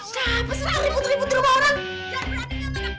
siapa sih yang terlibat terlibat di rumah orang